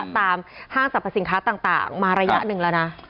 ห้างสรรพสินค้าต่างมาระยะหนึ่งแล้วนะ